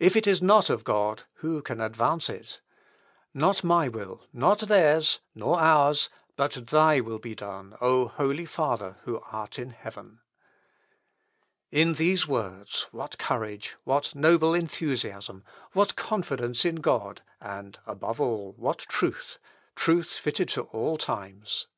If it is not of God, who can advance it?... Not my will, nor theirs, nor ours, but Thy will be done, O Holy Father who art in heaven!" In these words what courage, what noble enthusiasm, what confidence in God, and, above all, what truth, truth fitted to all times!